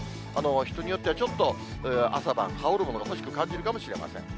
人によっては、ちょっと朝晩、羽織るものが欲しく感じるかもしれません。